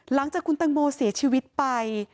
หลังจากคุณตังโมเสียชีวิตไป